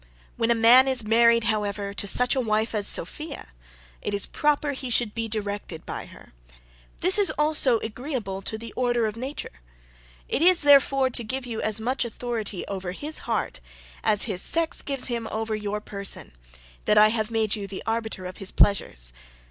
When a man is married, however, to such a wife as Sophia, it is proper he should be directed by her: this is also agreeable to the order of nature: it is, therefore, to give you as much authority over his heart as his sex gives him over your person, that I have made you the arbiter of his pleasures.